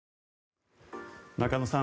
中野さん